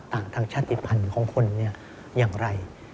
ต่างทางชาติภัณฑ์ของคนอย่างไร